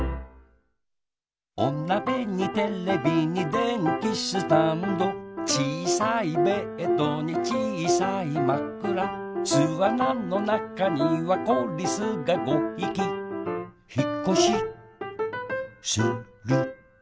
おなべにテレビにでんきスタンドちいさいベッドにちいさいまくらすあなのなかにはこリスが５ひきひっこしする